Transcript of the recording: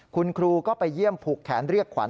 คุณครูก็ไปเยี่ยมผูกแขนเรียกขวัญ